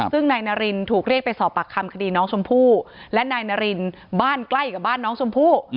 ซึ่งนายนารินถูกเรียกไปสอบปากคำคดีน้องชมพู่และนายนารินบ้านใกล้กับบ้านน้องชมพู่